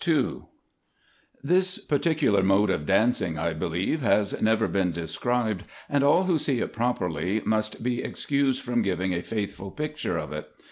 19 This particular mode of dancing, I believe, has never been described, and all who see it properly must be excused from giving a faithful picture of it.